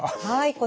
はい。